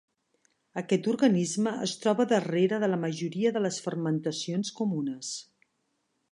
Aquest organisme es troba darrere de la majoria de fermentacions comunes.